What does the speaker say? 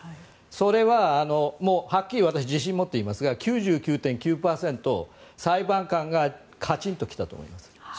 それははっきり私自信を持って言いますが９９．９％、裁判官がカチンと来たと思います。